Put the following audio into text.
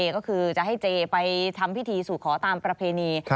ก็คือจะให้เจไปทำพิธีสู่ขอตามประเพณี